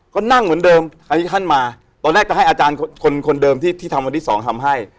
ก็นั่งเหมือนเดิมอันนี้ท่านมาตอนแรกก็ให้อาจารย์คนเดิมที่ที่ทำวันที่สองทำให้